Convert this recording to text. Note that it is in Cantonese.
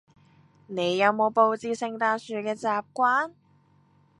你有冇佈置聖誕樹嘅習慣？